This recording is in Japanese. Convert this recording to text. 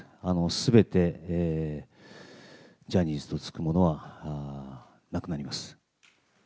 すべてジャニーズとつくものはなくなります。